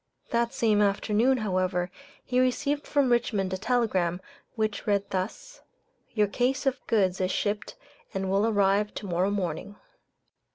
That same afternoon, however, he received from Richmond a telegram, which read thus, "Your case of goods is shipped and will arrive to morrow morning."